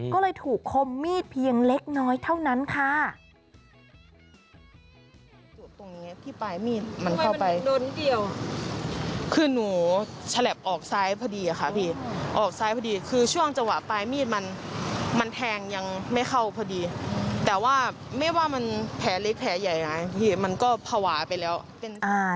ก็เลยถูกคมมีดเพียงเล็กน้อยเท่านั้นค่ะ